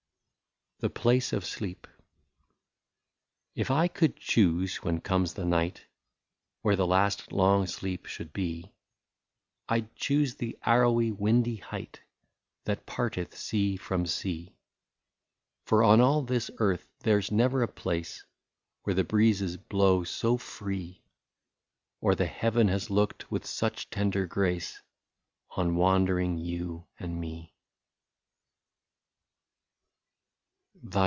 129 THE PLACE OF SLEEP. If I could choose, when comes the night, Where the last long sleep should be, I 'd choose the arrowy windy height, That parteth sea from sea. For on all this earth there 's never a place, Where the breezes blow so free, Or the heaven has looked with such tender grace On wandering you and me.